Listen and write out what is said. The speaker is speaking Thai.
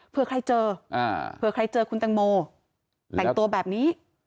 เพื่อใครเจอเผื่อใครเจอคุณตังโมแต่งตัวแบบนี้